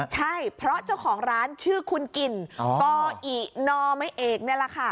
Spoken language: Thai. ใช่เพราะเจ้าของร้านชื่อคุณกิ่นกอินอเมเอกนี่แหละค่ะ